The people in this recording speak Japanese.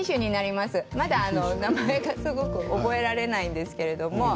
まだ名前が、すごく覚えられないんですけれども。